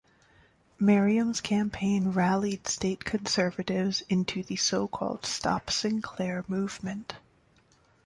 Merriam's campaign rallied state conservatives into the so-called "Stop Sinclair" movement.